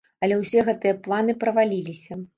Але ўсе гэтыя планы праваліліся.